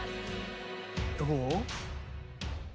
どう？